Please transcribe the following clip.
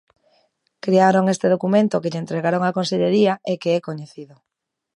Crearon este documento que lle entregaron á Consellería e que é coñecido.